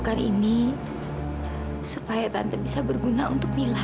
tante tidak akan meminta maaf mila